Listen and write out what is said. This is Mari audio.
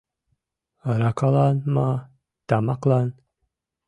Аракалан ма, тамаклан...